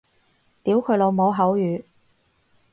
屌佢老母口語